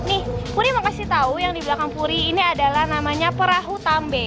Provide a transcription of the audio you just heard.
nih puri mau kasih tahu yang di belakang puri ini adalah namanya perahu tambe